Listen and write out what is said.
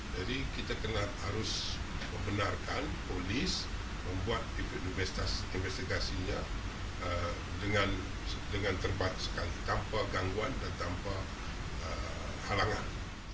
jadi kita harus membenarkan polis membuat investigasinya dengan terbatas tanpa gangguan dan tanpa halangan